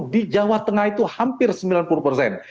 di jawa tengah itu hampir sembilan puluh persen